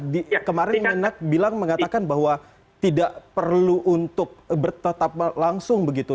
di kemarin menak bilang mengatakan bahwa tidak perlu untuk bertetap langsung begitu